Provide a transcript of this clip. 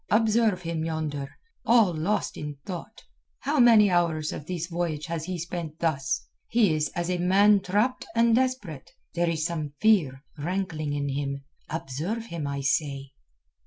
Observe him yonder, all lost in thought. How many hours of this voyage has he spent thus. He is as a man trapped and desperate. There is some fear rankling in him. Observe him, I say."